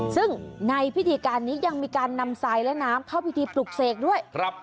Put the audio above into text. ซึ่งในพิธีการนี้ยังมีการนำทรายและน้ำเข้าพิธีปลุกเสกด้วย